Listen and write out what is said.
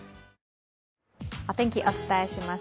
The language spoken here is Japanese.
お天気、お伝えします。